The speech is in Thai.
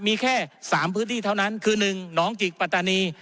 มีแค่๓พื้นที่เท่านั้นคือ๑หนองจิกปัตตานี